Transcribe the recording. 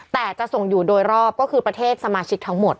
แต่จะส่งอยู่โดยรอบก็คือประเทศสมาชิกทั้งหมด